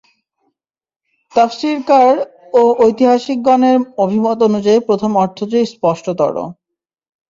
তাফসীরকার ও ঐতিহাসিকগণের অভিমত অনুযায়ী প্রথম অর্থটিই স্পষ্টতর।